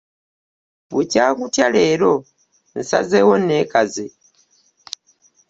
Bukya nkutya leero nsazeewo nneekaze.